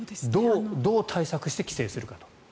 どう対策して帰省するかと。